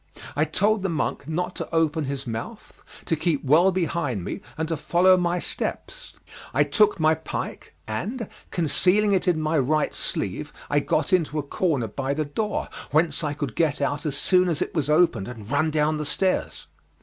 I told the monk not to open his mouth, to keep well behind me, and to follow my steps. I took my pike, and concealing it in my right sleeve I got into a corner by the door, whence I could get out as soon as it was opened and run down the stairs.